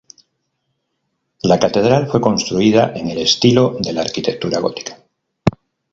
La catedral fue construida en el estilo de la arquitectura gótica.